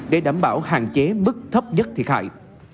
để đảm bảo hạn chế mức thấp nhất thiệt hại